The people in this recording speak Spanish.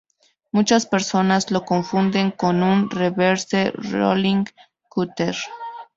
Muchas personas lo confunden con un Reverse Rolling Cutter.